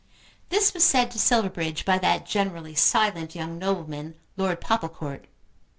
This was said to Silverbridge by that generally silent young nobleman Lord Popplecourt.